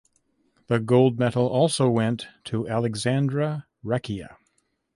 The gold medal also went to Alexandra Recchia.